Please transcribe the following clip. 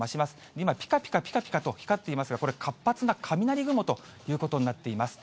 今、ぴかぴかぴかぴかと光っていますが、これ、活発な雷雲ということになっています。